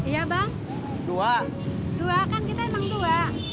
ya bang dua dua kan kita emang dua